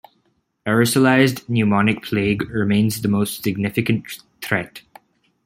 Aerosolized pneumonic plague remains the most significant threat.